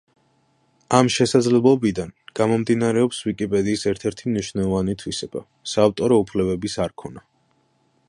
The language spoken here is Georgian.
ამ შესაძლებლობიდან გამომდინარეობს ვიკიპედიის ერთი მნიშვნელოვანი თვისება: საავტორო უფლებების არქონა.